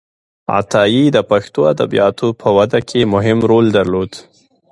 عطایي د پښتو ادبياتو په وده کې مهم رول درلود.